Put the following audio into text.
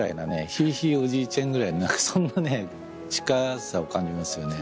ひいひいおじいちゃんぐらいな何かそんなね近さを感じますよね。